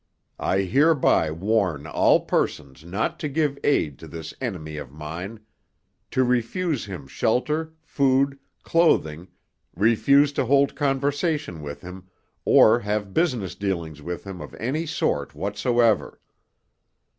I hereby warn all persons not to give aid to this enemy of mine—to refuse him shelter, food, clothing, refuse to hold conversation with him, or have business dealings with him of any sort whatsoever.